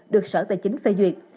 được sở tài chính phê duyệt